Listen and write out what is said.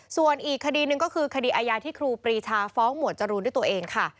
ส่วนอีกคดีหนึ่งก็คือคดีอาญาที่ครูปรีชาฟ้องหมวดจรูนด้วยตัวเองค่ะ